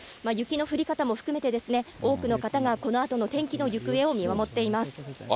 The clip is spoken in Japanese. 雪の降り方も含めて、多くの方がこのあとの天気の行方を見守っています。